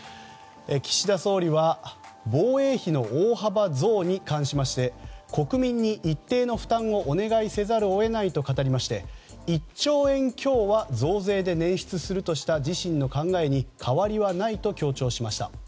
岸田総理は防衛費の大幅増に関しまして国民に一定の負担をお願いせざるを得ないと語りまして、１兆円強は増税で捻出するとした自身の考えに変わりはないと強調しました。